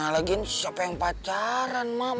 lagiin siapa yang pacaran mama